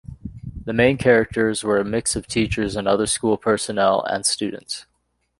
The main characters were a mix of teachers and other school personnel, and students.